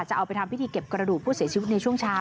จะเอาไปทำพิธีเก็บกระดูกผู้เสียชีวิตในช่วงเช้า